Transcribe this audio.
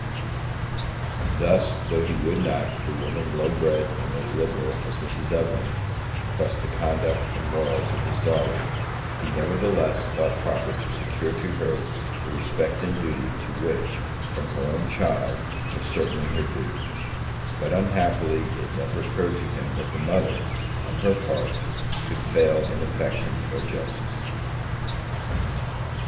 Thus, though he would not, to a woman low bred and illiberal as Mrs. Evelyn, trust the conduct and morals of his daughter, he nevertheless thought proper to secure to her the respect and duty to which, from her own child, were certainly her due; but unhappily, it never occurred to him that the mother, on her part, could fail in affection or justice.